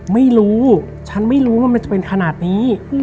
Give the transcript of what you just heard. ไม่รู้ฉันไม่รู้ว่ามันจะเป็นขนาดนี้